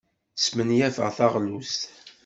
Smenyafeɣ taɣlust.